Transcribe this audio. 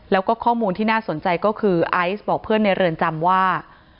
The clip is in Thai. แล้วก็ข้อมูลที่น่าสนใจก็คือไอซ์บอกเพื่อนในเรือนจำว่า